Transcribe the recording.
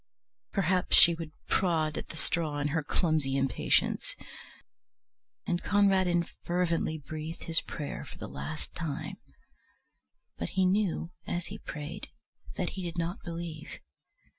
Perhaps she would prod at the straw in her clumsy impatience. And Conradin fervently breathed his prayer for the last time. But he knew as he prayed that he did not believe.